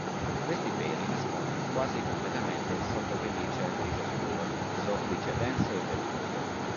Questi peli nascondono quasi completamente il sotto-pelliccia grigio scuro, soffice, denso e vellutato.